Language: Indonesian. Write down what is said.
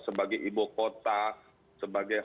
sebagai ibu kota sebagai